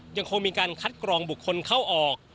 ยังคงมีการคัดกรองบุคคลเข้าออก